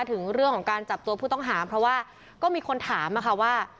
ถึงเรื่องของการจับตัวผู้ต้องหาเพราะว่าก็มีคนถามอะค่ะว่า